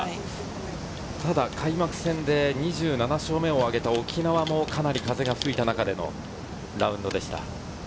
ただ開幕戦で２７勝目を挙げた沖縄もかなり風が吹いた中でのラウンドでした。